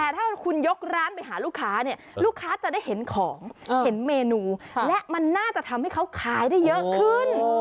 แต่ถ้าคุณยกร้านไปหาลูกค้าเนี่ยลูกค้าจะได้เห็นของเห็นเมนูและมันน่าจะทำให้เขาขายได้เยอะขึ้น